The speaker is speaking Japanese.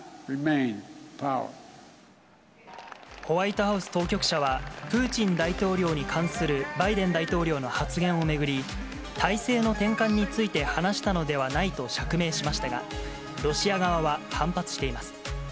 ホワイトハウス当局者は、プーチン大統領に関するバイデン大統領の発言を巡り、体制の転換について話したのではないと釈明しましたが、ロシア側は反発しています。